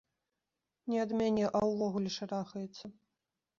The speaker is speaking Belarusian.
Не ад мяне, а ўвогуле шарахаецца.